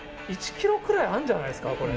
１キロくらいあるんじゃないですか、これ。